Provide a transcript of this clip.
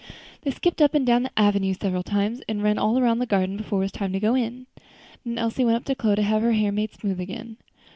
They skipped up and down the avenue several times, and ran all round the garden before it was time to go in. Then Elsie went up to Chloe to have her hair made smooth again.